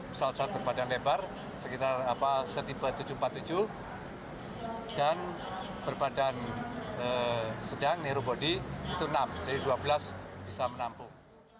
pesawat pesawat berbadan lebar sekitar setipe tujuh ratus empat puluh tujuh dan berbadan sedang herobody itu enam jadi dua belas bisa menampung